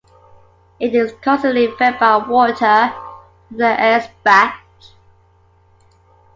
It is constantly fed by water from the Eisbach.